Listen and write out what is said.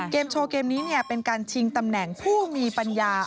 โชว์เกมนี้เป็นการชิงตำแหน่งผู้มีปัญญา